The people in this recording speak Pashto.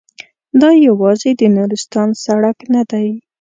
دا یوازې د نورستان سړک نه دی.